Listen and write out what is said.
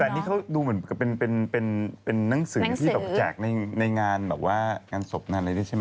แต่อันนี้เขาดูเหมือนเป็นหนังสือที่แบบออกจากในงานอย่างว่าการศพอะไรใช่ไหมฮะ